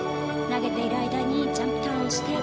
投げている間にジャンプターンをして。